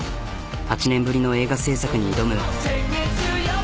８年ぶりの映画制作に挑む。